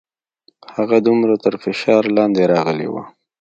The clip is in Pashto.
هغه دومره تر فشار لاندې راغلې وه.